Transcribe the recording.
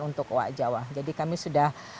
untuk owa jawa jadi kami sudah